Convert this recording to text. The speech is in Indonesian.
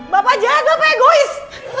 bapak jahat bapak egois